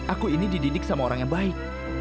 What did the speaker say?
aku ini dididik sama orang yang baik